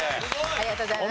ありがとうございます。